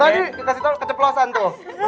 tadi dikasih tahu keceplosan tuh